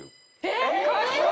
えっ！